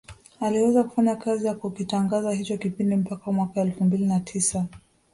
Aliweza kufanya kazi ya kukitangaza hicho kipindi mpaka mwaka elfu mbili na tisa